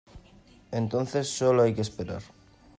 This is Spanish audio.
entonces solo hay que esperar.